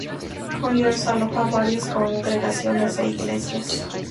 Conyers alojó a varias congregaciones e iglesias.